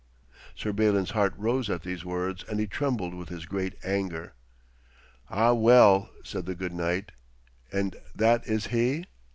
Sir Balin's heart rose at these words, and he trembled with his great anger. 'Ah, well,' said the good knight. 'And that is he?'